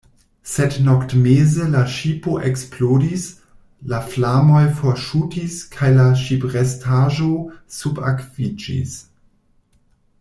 Sed noktmeze la ŝipo eksplodis, la flamoj forŝutis, kaj la ŝiprestaĵo subakviĝis.